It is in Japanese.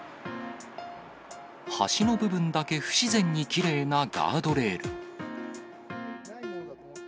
端の部分だけ不自然にきれいなガードレール。